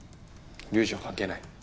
龍二は関係ない。